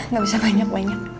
nggak bisa banyak banyak